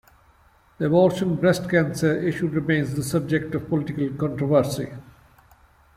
The abortion-breast cancer issue remains the subject of political controversy.